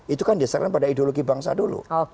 itu kan disaran pada ideologi bangsa dulu